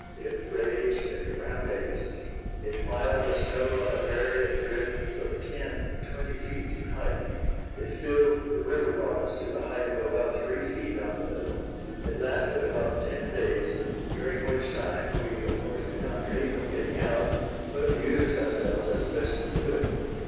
It raged and rampaged. It piled the snow on the prairie in drifts of ten and twenty feet in height. It filled the river bottoms to the height of about three feet on the level. It lasted about ten days, during which time, we of course, did not dream of getting out, but amused ourselves as best we could.